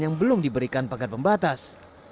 yang belum diberikan pagar pembatas